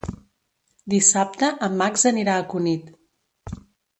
Dissabte en Max anirà a Cunit.